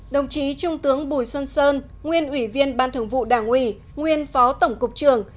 hai đồng chí trung tướng bùi xuân sơn nguyên ủy viên ban thường vụ đảng ủy nguyên phó tổng cục trường